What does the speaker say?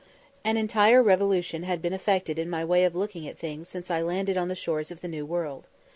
An entire revolution had been effected in my way of looking at things since I landed on the shores of the New World.